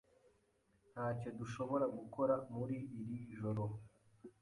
Ntacyo dushobora gukora muri iri joro.